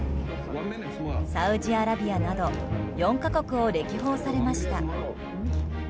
サウジアラビアなど４か国を歴訪されました。